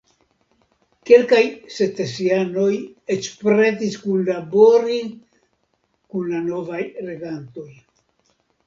Kelkaj secesianoj eĉ pretis kunlabori kun la novaj regantoj.